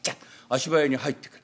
足早に入ってくる。